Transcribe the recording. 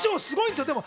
すごいな。